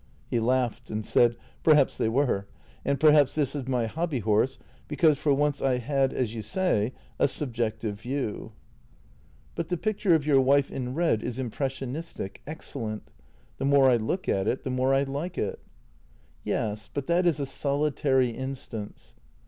He laughed and said :" Perhaps they were — and perhaps this is my hobby horse because for once I had — as you say — a subjective view," JENNY 156 " But the picture of your wife in red is impressionistic, ex cellent.' The more I look at it, the more I like it." " Yes, but that is a solitary instance."